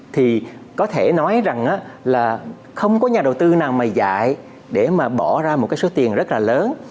thì có thể nói rằng là không có nhà đầu tư nào mà giải để mà bỏ ra một cái số tiền rất là lớn